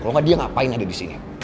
kalau nggak dia ngapain ada disini